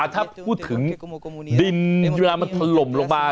ถ้าพูดถึงดินเวลามันถล่มลงมา